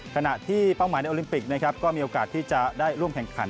ขณะที่เป้าหมายในโอลิมปิกนะครับก็มีโอกาสที่จะได้ร่วมแข่งขัน